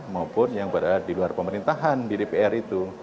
maupun yang berada di luar pemerintahan di dpr itu